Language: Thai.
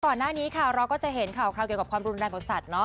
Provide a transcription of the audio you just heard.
ก่อนหน้านี้ค่ะเราก็จะเห็นข่าวเกี่ยวกับความรุนแรงของสัตว์